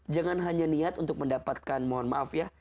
jangan hanya niat untuk mendapatkan mohon maaf ya